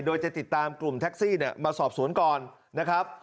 โดยจะติดตามกลุ่มแท็กซี่มาสอบสวนก่อนนะครับ